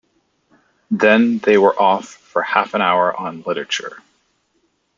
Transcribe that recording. Then they were off for half an hour on literature.